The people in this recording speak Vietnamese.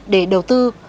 để đầu tư